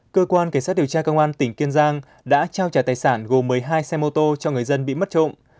cơ quan cảnh sát điều tra công an tỉnh kiên giang đã trao trả tài sản gồm một mươi hai xe mô tô cho người dân bị mất trộm